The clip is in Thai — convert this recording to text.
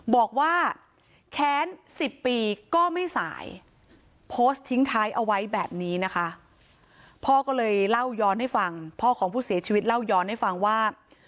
พ่อก็เลยเล่าย้อนให้ฟังพ่อของผู้เสียชีวิตเล่าย้อนให้ฟังว่า